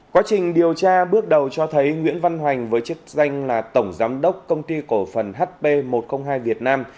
quá trình điều tra bước đầu cho thấy nguyễn văn hoành với chức danh là tổng giám đốc công ty cổ phần hp một trăm linh hai việt nam